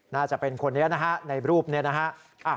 น่าจะเป็นคนนี้นะฮะในรูปนี้นะฮะ